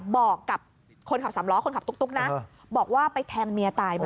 บอกกับคนขับสามล้อคนขับตุ๊กนะบอกว่าไปแทงเมียตายบ่อย